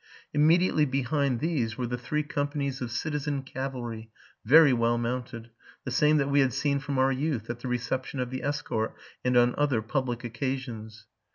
Immediately behind these were the three companies of citizen cavalry, very well mounted, — the same that we had seen from our youth, at the reception of the escort, and on other public occasions.